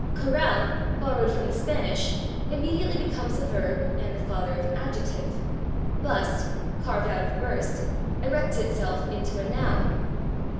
/Corral/, borrowed [Pg024] from the Spanish, immediately becomes a verb and the father of an adjective. /Bust/, carved out of /burst/, erects itself into a noun.